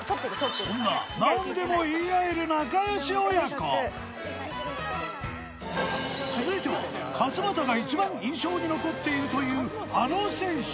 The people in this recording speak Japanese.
そんな何でも言い合える続いては勝俣が一番印象に残っているというあの選手